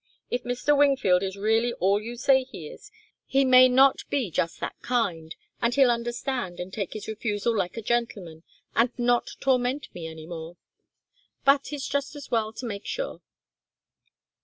If Mr. Wingfield is really all you say he is, he may not be just that kind, and he'll understand and take his refusal like a gentleman, and not torment me any more. But it's just as well to make sure."